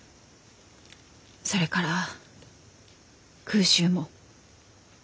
それから空襲も。